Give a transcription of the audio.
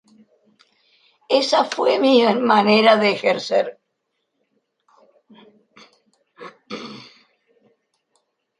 Ésa fue mi manera de ejercer.